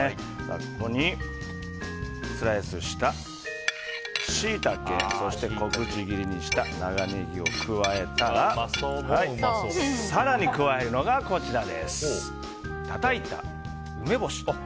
ここに、スライスしたシイタケそして小口切りにした長ネギを加えたら更に加えるのが、たたいた梅干し。